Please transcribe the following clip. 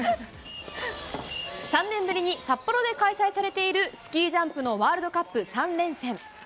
３年ぶりに札幌で開催されているスキージャンプのワールドカップ３連戦。